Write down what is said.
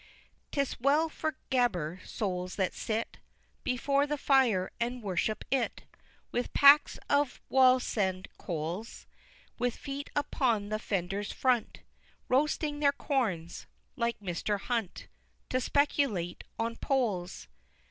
VI. 'Tis well for Gheber souls that sit Before the fire and worship it With pecks of Wallsend coals, With feet upon the fender's front, Roasting their corns like Mr. Hunt To speculate on poles.